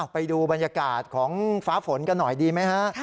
ไปดูบรรยากาศของฟ้าฝนกันหน่อยดีไหมฮะ